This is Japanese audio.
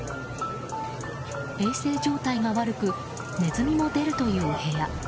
衛生状態が悪くネズミも出るという部屋。